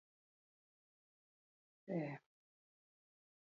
Hegan egiterik ez baduzu, zoaz korrika, edo oinez, edo arrastaka baina egin aurrera!